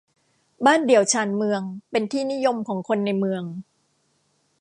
บ้านเดี่ยวชานเมือง เป็นที่นิยมของคนในเมือง